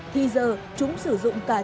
thì giờ chúng sử dụng cả trường